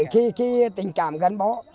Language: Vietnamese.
khi tình cảm gắn bó